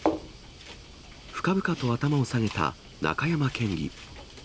深々と頭を下げた中山県議。